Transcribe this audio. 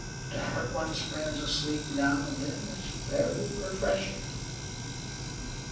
To have one's friends asleep now and then is very refreshing.